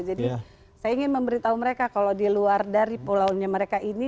jadi saya ingin memberitahu mereka kalau di luar dari pulau mereka ini